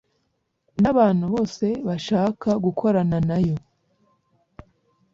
nabantu bose bashaka gukorana na Yo